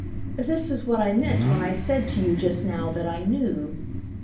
"This is what I meant when I said to you just now that I 'knew.